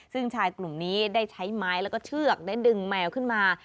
ซึ่งชายกลุ่มนี้ได้ใช้ไม้แล้วก็เชือกได้ดึงแมวขึ้นมา